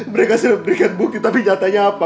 mereka sudah berikan bukti tapi nyatanya apa